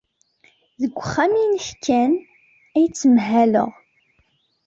Deg uxxam-nnek kan ay ttmahaleɣ.